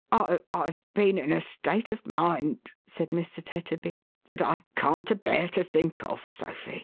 "I — I've been in a state of mind," said Mr. Tetterby, " that I can't abear to think of, Sophy."